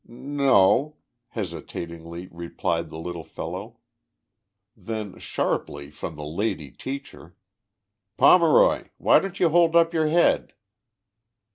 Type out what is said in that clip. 4 2s no,' hesitatingly replied the little fellow. Then, sharply, Irom the lady teacher : 4 Pomeroy ! why don't you hold up your head